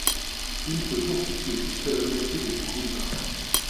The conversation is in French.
Il peut constituer jusqu'à la moitié des coups d'une partie.